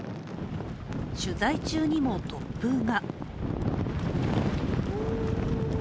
取材中にも突風が。